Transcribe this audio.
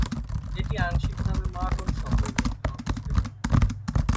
এটি আংশিকভাবে মার্টন শহরের মধ্যে অবস্থিত।